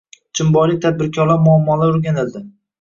Chimboylik tadbirkorlar muammolari o‘rganildi